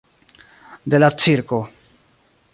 De la cirko.